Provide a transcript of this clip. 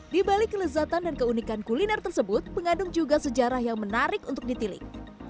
di balik kelezatan dan keunikan kuliner tersebut pengandung juga sejarah yang menarik untuk ditilik